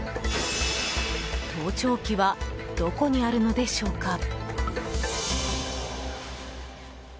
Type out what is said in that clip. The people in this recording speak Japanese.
盗聴器はどこにあるのでしょうか。